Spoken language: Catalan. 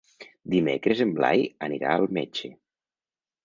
Dimecres en Blai anirà al metge.